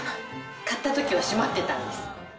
買った時は閉まってたんです。